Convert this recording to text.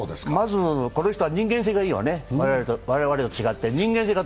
この人は人間性がいいわね、我々と違って。